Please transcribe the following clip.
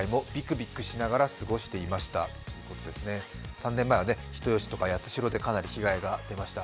３年前は人吉とか八代でかなり被害が出ました。